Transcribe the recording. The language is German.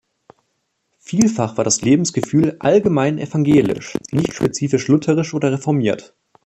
Vielfach war das Lebensgefühl allgemein evangelisch, nicht spezifisch lutherisch oder reformiert.